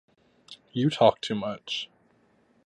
You talk too much.